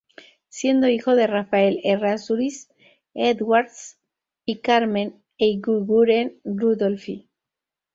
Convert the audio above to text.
Siendo hijo de Rafael Errázuriz Edwards y Carmen Eguiguren Rudolphy.